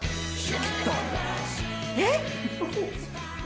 えっ！？